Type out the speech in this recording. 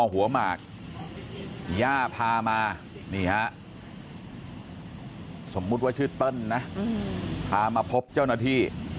หัวหมากย่าพามานี่ฮะสมมุติว่าชื่อเติ้ลนะพามาพบเจ้าหน้าที่